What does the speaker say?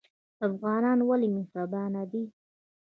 افغانان ولې مهربان دي؟